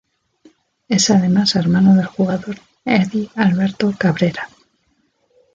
Es además hermano del jugador Edy Alberto Cabrera.